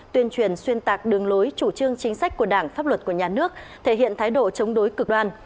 tuyên truyền xuyên tạc đường lối chủ trương chính sách của đảng pháp luật của nhà nước thể hiện thái độ chống đối cực đoan